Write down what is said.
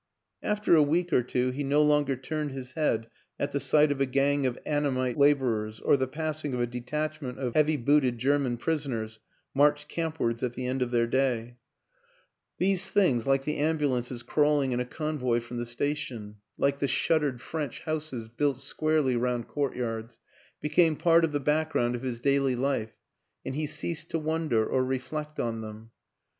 After a week or two he no longer turned his head at the sight of a gang of Annamite laborers or the passing of a detachment of heavy booted German prisoners marched campwards at the end of their day; these things, WILLIAM AN ENGLISHMAN 247 like the ambulances crawling in a convoy from the station, like the shuttered French houses built squarely round courtyards, became part of the background of his daily life and he ceased to wonder or reflect on them.